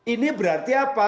ini berarti apa